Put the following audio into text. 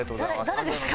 誰ですか？